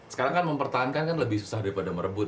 sekarang kan mempertahankan kan lebih susah daripada merebut